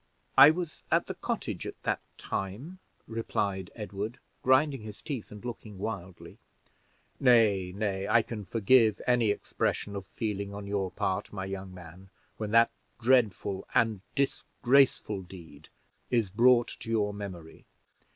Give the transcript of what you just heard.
"I was at the cottage at that time," replied Edward, grinding his teeth and looking wildly. "Nay, nay, I can forgive any expression of feeling on your part, young man, when that dreadful and disgraceful deed is brought to your memory.